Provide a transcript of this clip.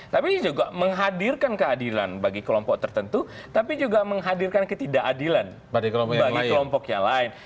tapi juga menghadirkan keadilan bagi kelompok tertentu tapi juga menghadirkan ketidakadilan bagi kelompok yang lain